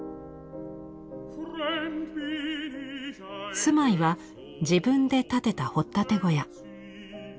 住まいは自分で建てた掘っ立て小屋。